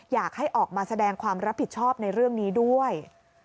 อยากให้ออกมาแสดงความรับผิดชอบในเรื่องนี้ด้วย